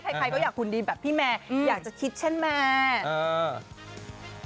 ใครก็อยากหุ่นดีแบบพี่แมร์อยากจะคิดเช่นแม่